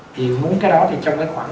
thì muốn cái đó thì trong cái khoảng